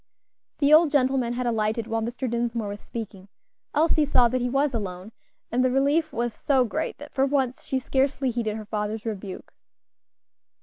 The old gentleman had alighted while Mr. Dinsmore was speaking; Elsie saw that he was alone, and the relief was so great that for once she scarcely heeded her father's rebuke.